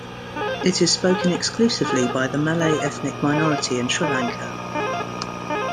It is spoken exclusively by the Malay ethnic minority in Sri Lanka.